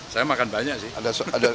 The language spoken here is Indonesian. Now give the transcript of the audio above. saya makan banyak sih